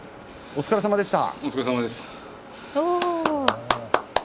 お疲れさまでした。